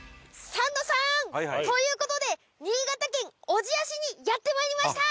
サンドさん！ということで新潟県小千谷市にやってまいりました。